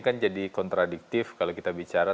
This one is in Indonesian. kan jadi kontradiktif kalau kita bicara